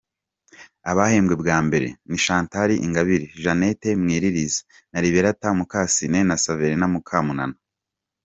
Abahembwe bwa mbere, ni Chantal Ingabire, Jeanne Mwiriliza, na Liberatha Mukasine na Xaverine Mukamunana.